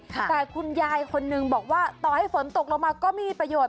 แต่คุณยายคนนึงบอกว่าต่อให้ฝนตกลงมาก็ไม่มีประโยชน์